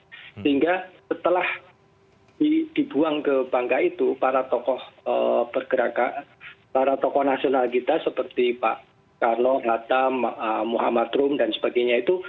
sehingga setelah dibuang ke bangga itu para tokoh pergerakan para tokoh nasional kita seperti pak karno hatta muhammad rum dan sebagainya itu